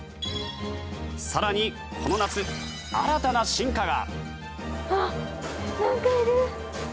更にこの夏、新たな進化が。